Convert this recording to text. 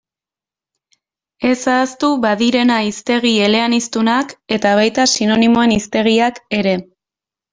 Ez ahaztu badirena hiztegi eleaniztunak eta baita sinonimoen hiztegiak ere.